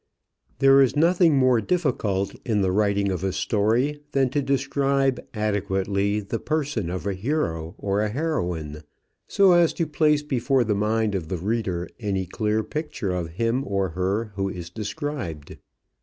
There is nothing more difficult in the writing of a story than to describe adequately the person of a hero or a heroine, so as to place before the mind of the reader any clear picture of him or her who is described.